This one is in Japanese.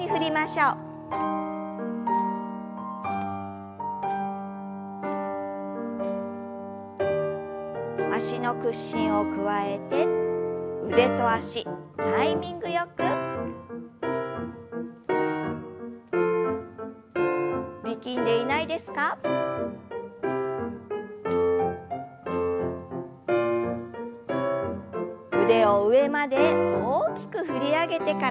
腕を上まで大きく振り上げてから力を抜いて。